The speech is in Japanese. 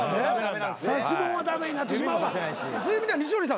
そういう意味では西堀さん